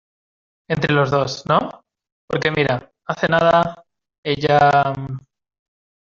entre los dos, ¿ no? por que mira , hace nada , ella...